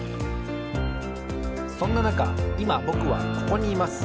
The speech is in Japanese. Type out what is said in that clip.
そんななかいまぼくはここにいます。